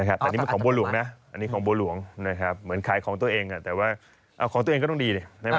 อันนี้ชุดของโบลูงนะเป็นใครของตัวเองแต่ว่าของตัวเองก็ต้องดี